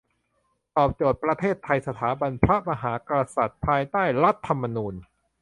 ตอบโจทย์ประเทศไทย สถาบันพระมหากษัตริย์ ภายใต้รัฐธรรมณูญ